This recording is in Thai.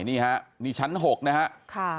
นี่ฮะนี่ชั้น๖นะครับ